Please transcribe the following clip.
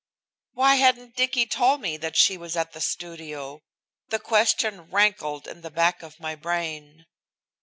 Why hadn't Dicky told me that she was at the studio? The question rankled in the back of my brain.